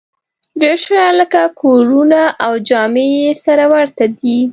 ډېر شیان لکه کورونه او جامې یې سره ورته دي